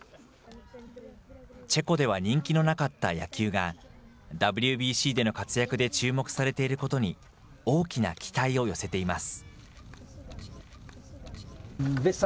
チェコでは人気のなかった野球が、ＷＢＣでの活躍で注目されていることに大きな期待を寄せています。